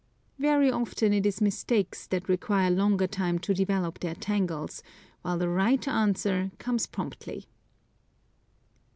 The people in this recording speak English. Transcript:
Very often it is mistakes that require longer time to develop their tangles, while the right answer comes promptly.